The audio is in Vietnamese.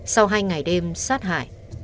sau hai ngày đêm sát hại